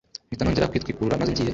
mpita nongera kwitwikurura maze ngiye